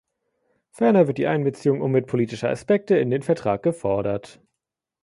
Ferner wird die Einbeziehung umweltpolitischer Aspekte in den Vertrag gefordert.